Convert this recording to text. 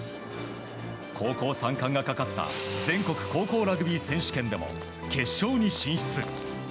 高校３冠がかかった全国高校ラグビー選手権でも決勝に進出。